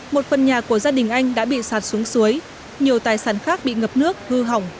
một phần nhà của gia đình anh đã bị sạt xuống suối nhiều tài sản khác bị ngập nước hư hỏng